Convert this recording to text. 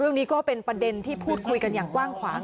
ก็เป็นประเด็นที่พูดคุยกันอย่างกว้างขวาง